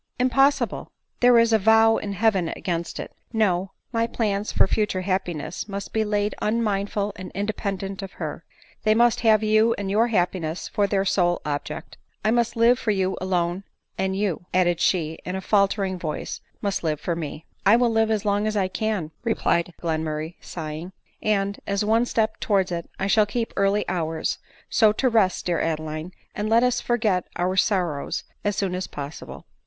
" Impossible :— there is a vow in heaven against it. No — my plans for future happiness must be laid unmind ful and independent of her. Hiey must have you and your happiness for their sole object ; I must live for you alone ; and you," added she in a faltering voice, " must live for me." '" I will live as long as I can," replied Glenmurray sighing, " and as one step towards it I shall keep early hours : so to rest, dear Adeline, and let us forget our sor rows as soon as possible."